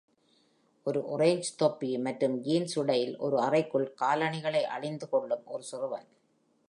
ஒரு ஆரஞ்சு தொப்பி மற்றும் ஜீன்ஸ் உடையில் ஒரு அறைக்குள் காலணிகளை அணிந்துகொள்ளும் ஒரு சிறுவன்.